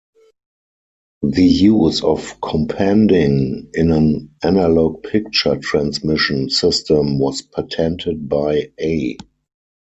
The use of companding in an analog picture transmission system was patented by A.